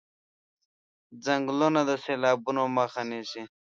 ځنګلونه د سېلابونو مخه نيسي.